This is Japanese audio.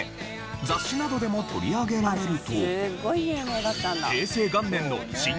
雑誌などでも取り上げられると。